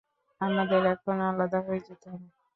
আমাদের এখন আলাদা হয়ে যেতে হবে।